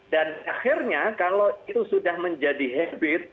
dan akhirnya kalau itu sudah menjadi habit